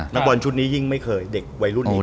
นักบอลชุดนี้ยิ่งไม่เคยเด็กวัยรุ่นนี้